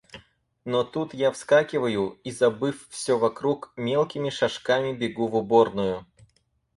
Но тут я вскакиваю и, забыв все вокруг, мелкими шажками бегу в уборную.